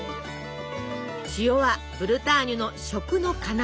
塩はブルターニュの食の要。